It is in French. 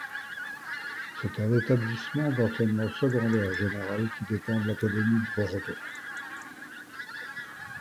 C'est un établissement d'enseignement secondaire général qui dépend de l'Académie de Bordeaux.